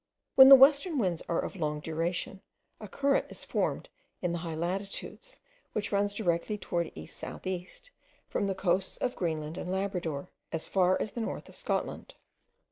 When the western winds are of long duration, a current is formed in the high latitudes, which runs directly towards east south east, from the coasts of Greenland and Labrador, as far as the north of Scotland.